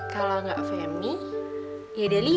kalau nggak femi ya dia lia